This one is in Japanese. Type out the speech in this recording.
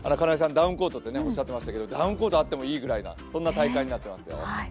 ダウンコートとおっしゃってましたけど、ダウンコートあってもいいぐらいな体感になってますよ。